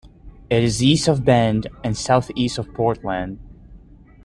It is east of Bend and southeast of Portland.